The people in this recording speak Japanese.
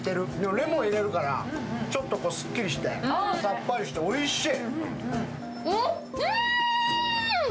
レモンを入れるから、ちょっとすっきりして、さっぱりしておいしい。